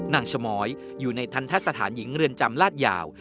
สมอยอยู่ในทันทะสถานหญิงเรือนจำลาดยาว